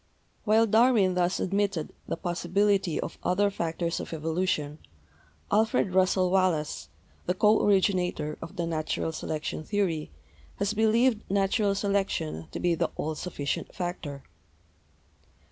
While Darwin thus admitted the possibility of other factors of evolution, Alfred Russell Wallace, the co originator of the natural selection theory, has believed natural selection to be the all sufficient factor.